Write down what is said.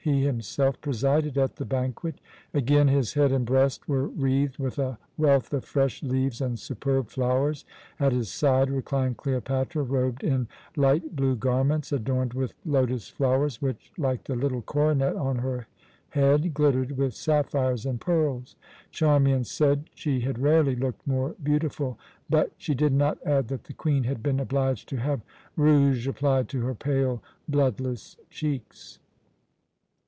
He himself presided at the banquet. Again his head and breast were wreathed with a wealth of fresh leaves and superb flowers. At his side reclined Cleopatra, robed in light blue garments adorned with lotus flowers which, like the little coronet on her head, glittered with sapphires and pearls. Charmian said she had rarely looked more beautiful. But she did not add that the Queen had been obliged to have rouge applied to her pale, bloodless cheeks.